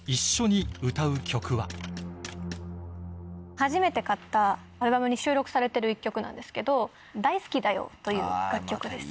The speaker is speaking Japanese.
初めて買ったアルバムに収録されてる一曲なんですけど『大好きだよ。』という楽曲です。